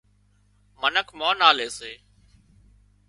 منک مانَ آلي سي